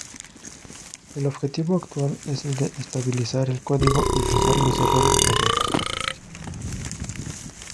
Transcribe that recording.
El objetivo actual es el de estabilizar el código y fijar los errores hallados.